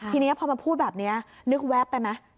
ทีนี้พอมาพูดแบบนี้นึกแวบไปไหม